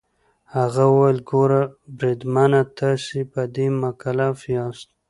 هغه وویل: ګوره بریدمنه، تاسي په دې مکلف یاست.